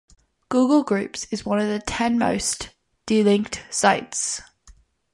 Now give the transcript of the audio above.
Google Groups is one of the ten most delinked sites.